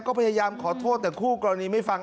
ก็พยายามขอโทษแต่คู่กรณีไม่ฟัง